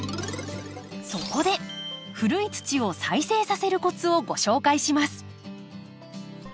そこで古い土を再生させるコツをご紹介します。